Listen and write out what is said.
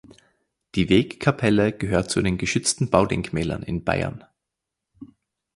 Die Wegkapelle gehört zu den geschützten Baudenkmälern in Bayern.